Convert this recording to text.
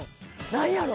何やろ？